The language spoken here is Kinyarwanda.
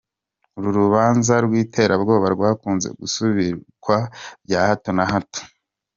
Uru rubanza rw'iterabwoba rwakunze gusubikwa bya hato na hato.